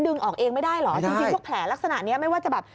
ออกเองไม่ได้เหรอจริงพวกแผลลักษณะนี้ไม่ว่าจะแบบ